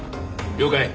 了解。